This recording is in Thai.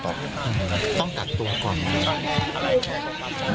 ต้องกัดตัวก่อนนะครับ